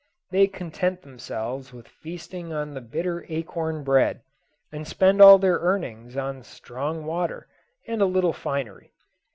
They content themselves with feasting on the bitter acorn bread, and spend all their earnings on "strong water" and a little finery.